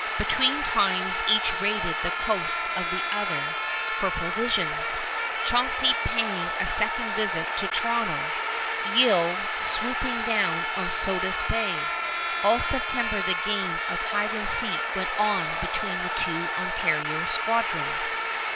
Between times each raided the coast of the other for provisions, Chauncey paying a second visit to Toronto, Yeo swooping down on Sodus Bay. All September the game of hide and seek went on between the two Ontario squadrons.